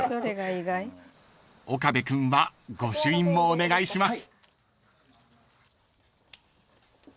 ［岡部君は御朱印もお願いします］